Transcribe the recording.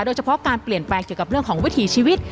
โดยเฉพาะการเปลี่ยนแปลงเกี่ยวกับเรื่องของวิถีชีวิต